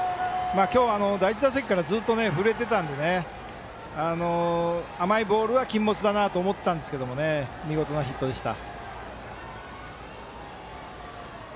今日、第１打席からずっと振れてたので甘いボールは禁物だなと思っていたんですが見事なヒットでした。